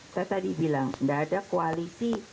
saya tadi bilang tidak ada koalisi